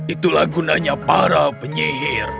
itulah gunanya para penyihir